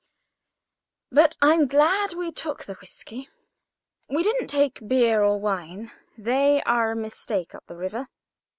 But I'm glad we took the whisky. We didn't take beer or wine. They are a mistake up the river.